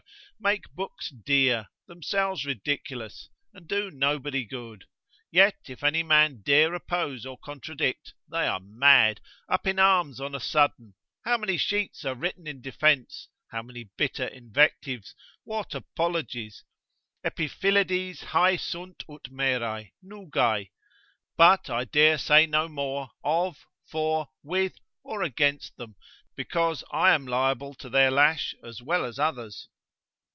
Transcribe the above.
make books dear, themselves ridiculous, and do nobody good, yet if any man dare oppose or contradict, they are mad, up in arms on a sudden, how many sheets are written in defence, how bitter invectives, what apologies? Epiphilledes hae sunt ut merae, nugae. But I dare say no more of, for, with, or against them, because I am liable to their lash as well as others.